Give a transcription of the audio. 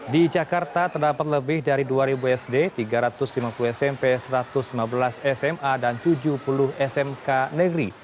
di jakarta terdapat lebih dari dua sd tiga ratus lima puluh smp satu ratus lima belas sma dan tujuh puluh smk negeri